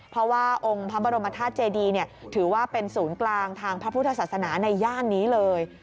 เพราะว่าองค์พระบรมธาตุเจดีถือว่าเป็นศูนย์กลางทางพระพุทธศาสนาในย่านนี้เลย